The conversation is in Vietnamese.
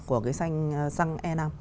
của cái xăng e năm